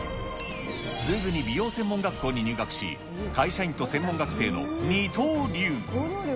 すぐに美容専門学校に入学し、会社員と専門学生の二刀流。